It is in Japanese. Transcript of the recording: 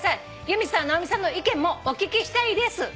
「由美さん直美さんの意見もお聞きしたいです」